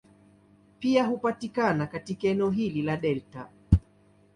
Pia hupatikana katika eneo hili la delta.